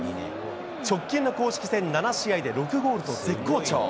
直近の公式戦７試合で６ゴールと、絶好調。